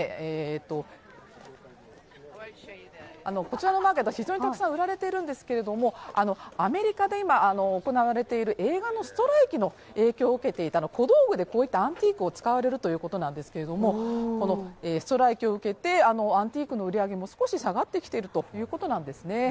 こちらのマーケットは非常にたくさん売られているんですけれどもアメリカで今、行われている映画のストライキの影響を受けていて、小道具でこういったアンティークを使われるということですがストライキを受けてアンティークの売り上げも少し下がってきているということなんですね。